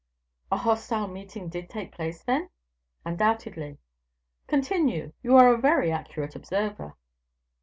"A hostile meeting did take place then?" "Undoubtedly." "Continue; you are a very accurate observer."